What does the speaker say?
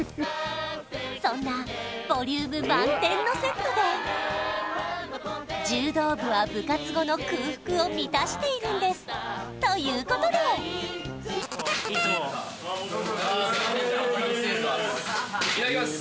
そんなボリューム満点のセットで柔道部は部活後の空腹を満たしているんですということで失礼します